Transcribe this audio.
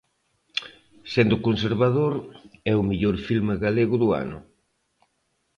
Sendo conservador, é o mellor filme galego do ano.